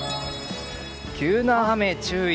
急な雨注意。